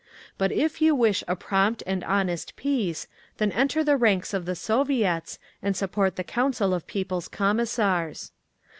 BUT IF YOU WISH A PROMPT AND HONEST PEACE, THEN ENTER THE RANKS OF THE SOVIETS AND SUPPORT THE COUNCIL OF PEOPLE's COMMISSARS.